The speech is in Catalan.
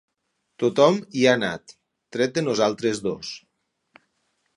Tothom hi ha anat, tret de nosaltres dos.